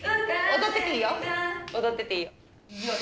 踊ってていいよ。